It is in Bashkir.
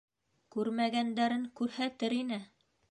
Күрмәгәндәрен күрһәтер ине!